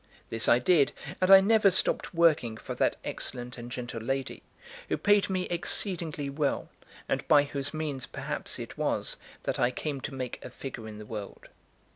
This I did; and I never stopped working for that excellent and gentle lady, who paid me exceedingly well, and by whose means perhaps it was that I came to make a figure in the world.